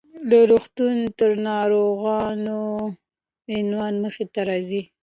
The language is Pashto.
له روغتون تر ناروغتونه: عنوان مخې ته راځي .